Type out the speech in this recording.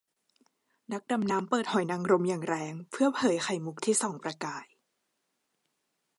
นักดำน้ำเปิดหอยนางรมอย่างแรงเพื่อเผยไข่มุกที่ส่องประกาย